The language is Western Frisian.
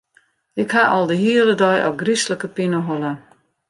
Ik ha al de hiele dei ôfgryslike pineholle.